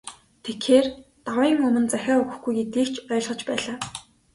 Тэгэхээр, давын өмнө захиа өгөхгүй гэдгийг ч ойлгож байлаа.